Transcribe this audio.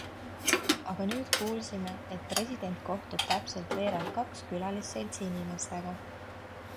Aga nüüd kuulsime, et president kohtub täpselt veerand kaks külaseltsi inimestega.